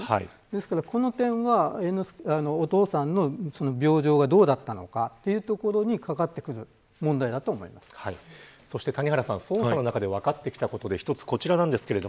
ですから、この点はお父さんの病状がどうだったのかというところにそして谷原さん捜査の中で分かってきたことで一つ、こちらです。